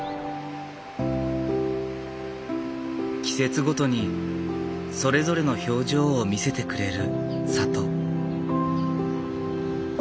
季節ごとにそれぞれの表情を見せてくれる里。